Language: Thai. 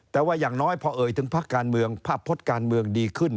แต่ว่าอย่างน้อยพอเอ่ยถึงภาคการเมืองภาพพจน์การเมืองดีขึ้น